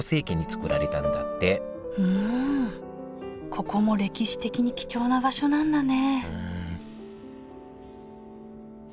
ここも歴史的に貴重な場所なんだね